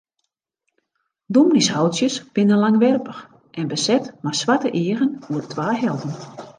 Dominyshoutsjes binne langwerpich en beset mei swarte eagen oer twa helten.